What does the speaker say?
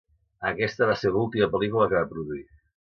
Aquesta va ser l'última pel·lícula que va produir.